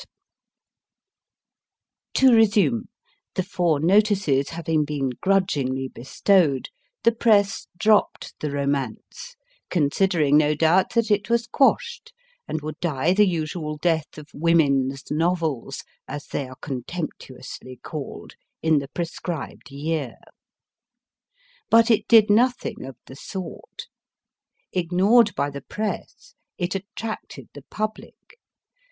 THE DRAWING ROOM To resume : the four notices having been grudgingly bestowed, the Press dropped the Romance/ considering, no doubt, that it was quashed/ and would die the usual death of women s novels/ as they are contemptuously called, in the prescribed year. But it did nothing of the sort. Ignored by the Press, it attracted the public.